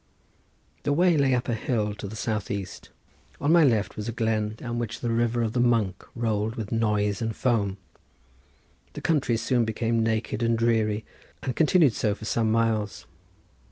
The way lay up a hill to the south east; on my left was a glen down which the river of the Monk rolled with noise and foam. The country soon became naked and dreary and continued so for some miles.